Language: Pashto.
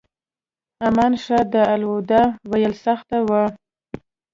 عمان ښار ته الوداع ویل سخته وه.